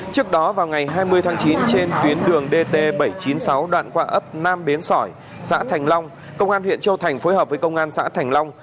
trước đó vào ngày hai mươi tháng chín trên tuyến đường dt bảy trăm chín mươi sáu đoạn qua ấp nam bến sỏi xã thành long công an huyện châu thành phối hợp với công an xã thành long